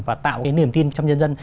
và tạo cái niềm tin trong nhân dân